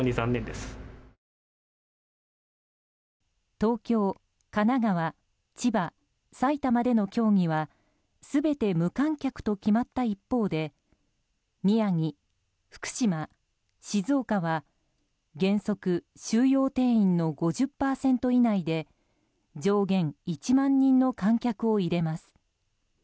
東京、神奈川、千葉、埼玉での競技は全て無観客と決まった一方で宮城、福島、静岡は原則、収容定員の５０％以内で上限１万人の観客を入れます。